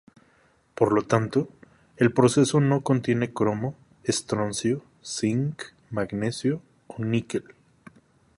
Por lo tanto, el proceso no contiene cromo, estroncio, zinc, manganeso o níquel.